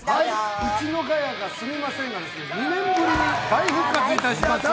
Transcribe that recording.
『ウチのガヤがすみません！』が２年ぶりに大復活いたします。